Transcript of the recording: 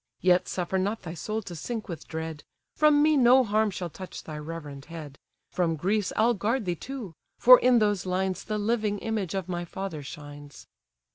Yet suffer not thy soul to sink with dread; From me no harm shall touch thy reverend head; From Greece I'll guard thee too; for in those lines The living image of my father shines."